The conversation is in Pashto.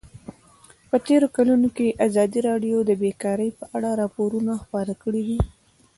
په تېرو کلونو کې ازادي راډیو د بیکاري په اړه راپورونه خپاره کړي دي.